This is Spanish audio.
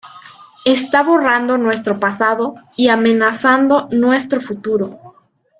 Está borrando nuestro pasado y amenazando nuestro futuro.